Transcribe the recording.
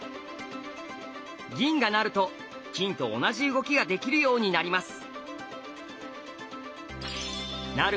銀が成ると金と同じ動きができるようになります。